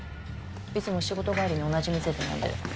いつも仕事帰りに同じ店で飲んでる。